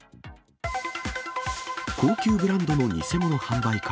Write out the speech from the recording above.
高級ブランドの偽物販売か。